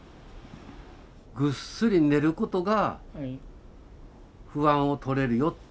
ぐっすり寝ることが不安を取れるよ。